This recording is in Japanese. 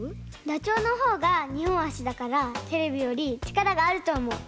ダチョウのほうがにほんあしだからテレビよりちからがあるとおもう。